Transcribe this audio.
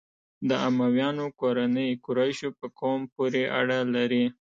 د امویانو کورنۍ قریشو په قوم پورې اړه لري.